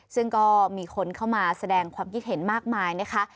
ซึ่งก็มีคนเข้ามาแสดงความคิดเห็นมากมายนะคะ